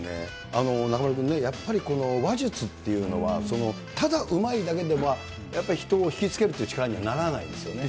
中丸君ね、やっぱり話術っていうのは、ただうまいだけでは、やっぱり人を引き付けるという力にはならないんですよね。